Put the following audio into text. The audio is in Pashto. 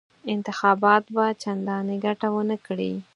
انتخابات به چنداني ګټه ونه کړي.